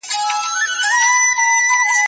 دشپو و د رڼا ترمنځ تضاد راغلی دی